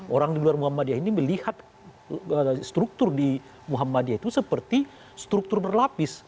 orang di luar muhammadiyah ini melihat struktur di muhammadiyah itu seperti struktur berlapis